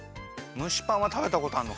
むしパンはたべたことあんの？